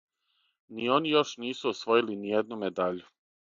Ни они још нису освојили ниједну медаљу.